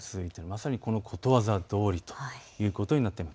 まさにこのことわざどおりということになっています。